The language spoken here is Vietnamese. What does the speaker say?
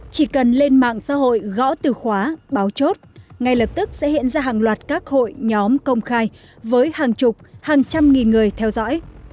chỉ cần lên mạng xã hội gõ từ khóa báo chốt ngay lập tức sẽ hiện ra hàng loạt các hội nhóm công khai với hàng chục hàng trăm nghìn người theo dõi